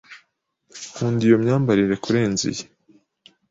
Nkunda iyo myambarire kurenza iyi.